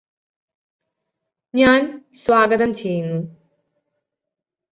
ഞാന് സ്വാഗതം ചെയ്യുന്നു